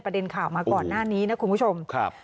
เด็นข่าวมาก่อนหน้านี้นะคุณผู้ชมครับ